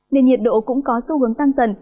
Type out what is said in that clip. nền nhiệt độ cũng có xu hướng tăng dần